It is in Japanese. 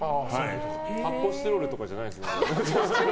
発泡スチロールとかじゃないんですね。